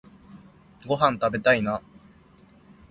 ごはんたべたいな